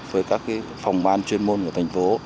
với các phòng ban chuyên môn của thành phố